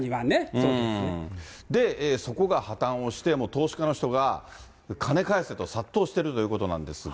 で、そこから破綻をして、投資家の人が金返せと殺到してるということなんですが。